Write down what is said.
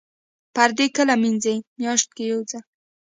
پردې کله مینځئ؟ میاشت کې یوځل